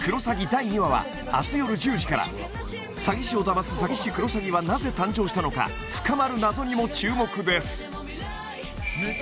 第２話は明日よる１０時から詐欺師を騙す詐欺師クロサギはなぜ誕生したのか深まる謎にも注目です